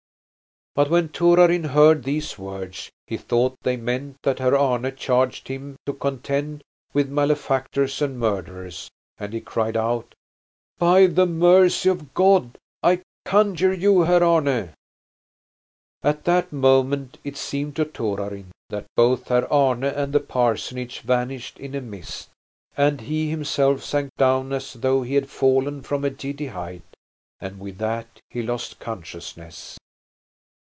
But when Torarin heard these words he thought they meant that Herr Arne charged him to contend with malefactors and murderers, and he cried out: "By the mercy of God I conjure you, Herr Arne " At that moment it seemed to Torarin that both Herr Arne and the parsonage vanished in a mist, and he himself sank down as though he had fallen from a giddy height, and with that he lost consciousness.